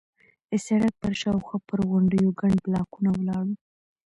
د سړک پر شاوخوا پر غونډیو ګڼ بلاکونه ولاړ وو.